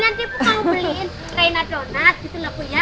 aku mau beliin reina donat gitu lah bu ya